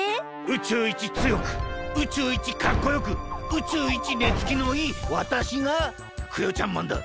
宇宙いち強く宇宙いちかっこよく宇宙いち寝付きのいいわたしがクヨちゃんマンだ！